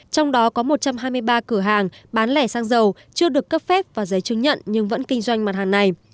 trong đó có một trăm hai mươi ba cửa hàng bán lẻ xăng dầu chưa được cấp phép và giấy chứng nhận nhưng vẫn kinh doanh mặt hàng này